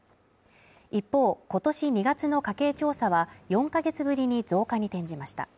一方、今年２月の家計調査は４か月ぶりに増加に転じました。